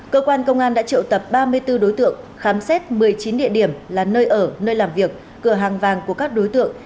cơ quan công an đã triệu tập ba mươi bốn đối tượng khám xét một mươi chín địa điểm là nơi ở nơi làm việc cửa hàng vàng của các đối tượng